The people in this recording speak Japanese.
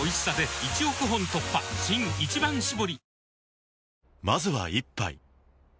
新「一番搾り」